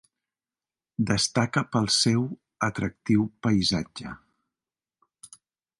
Destaca pel seu atractiu paisatge.